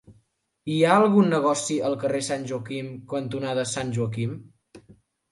Hi ha algun negoci al carrer Sant Joaquim cantonada Sant Joaquim?